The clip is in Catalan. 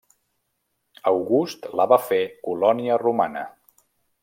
August la va fer colònia romana.